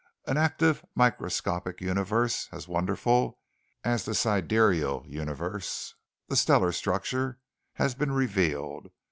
An active microscopic universe as wonderful as the sidereal universe, the stellar structure, has been revealed.